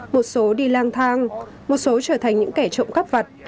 một số đi lang thang một số trở thành những kẻ trộm cắp vặt